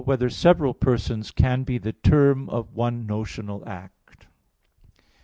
6] Whether Several Persons Can Be the Term of One Notional Act?